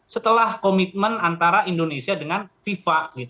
setelah komitmen antara indonesia dengan fifa